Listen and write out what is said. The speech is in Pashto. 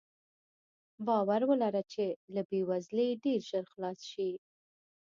باور ولره چې له بې وزلۍ ډېر ژر خلاص شې.